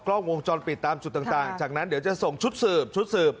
กล้องวงจรปิดตามจุดต่างจากนั้นเดี๋ยวจะส่งชุดสืบชุดสืบ